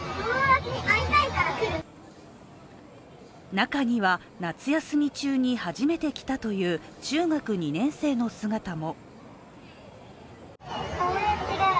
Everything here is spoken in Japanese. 中には、夏休み中に初めて来たという中学２年生の姿も。